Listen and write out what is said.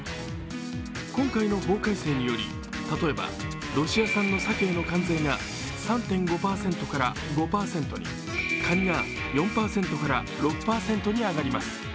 今回の法改正により例えばロシア産のさけへの関税が３．５％から５％にかにが４％から６％に上がります。